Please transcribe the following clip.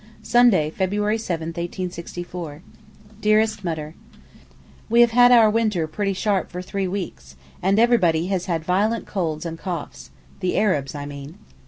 Sunday, February 7, 1864 DEAREST MUTTER, We have had our winter pretty sharp for three weeks, and everybody has had violent colds and coughs—the Arabs, I mean.